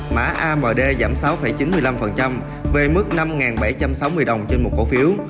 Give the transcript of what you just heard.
mã amd giảm sáu chín mươi năm về mức năm bảy trăm sáu mươi đồng trên một cổ phiếu